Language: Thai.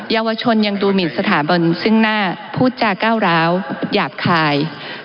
เยาวชนยังดูหมินสถาบันซึ่งหน้าพูดจาก้าวร้าวหยาบคาย